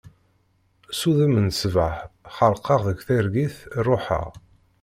S udem n ṣṣbaḥ, xerqeɣ deg targit ṛuḥeɣ.